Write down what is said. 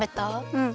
うん。